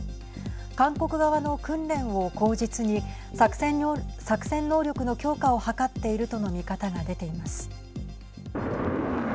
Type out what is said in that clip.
韓国側の訓練を口実に作戦能力の強化を図っているとの見方が出ています。